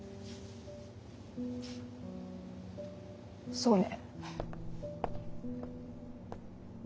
そうね。